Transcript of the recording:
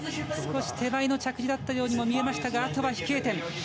少し手前の着地だったようにも見えましたがあとは飛型点。